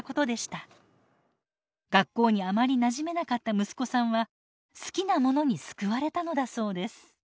学校にあまりなじめなかった息子さんは好きなものに救われたのだそうです。